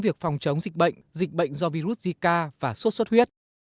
việc phòng chống dịch bệnh dịch bệnh do virus zika và sốt xuất huyết